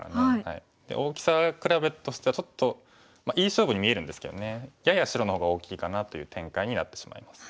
大きさ比べとしてはちょっといい勝負に見えるんですけどねやや白の方が大きいかなという展開になってしまいます。